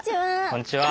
こんにちは。